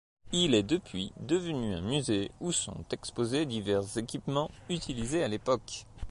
Il est depuis devenu un musée où sont exposés divers équipements utilisés à l'époque.